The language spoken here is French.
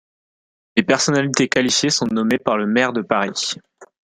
Les personnalités qualifiées sont nommées par le maire de Paris.